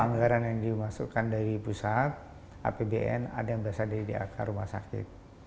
ada anggaran yang dimasukkan dari pusat apbn ada yang berasal dari dak rumah sakit